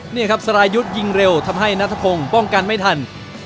นี่ครับสรายุทธ์ยิงเร็วทำให้นัทพงศ์ป้องกันไม่ทัน